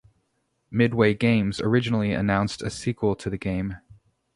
Midway Games originally announced a sequel to the game.